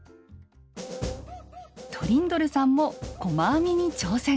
トリンドルさんも細編みに挑戦！